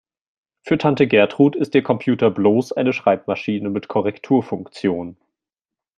Für Tante Gertrud ist ihr Computer bloß eine Schreibmaschine mit Korrekturfunktion.